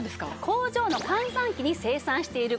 工場の閑散期に生産している事。